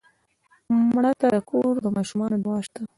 مړه ته د کور د ماشومانو دعا شته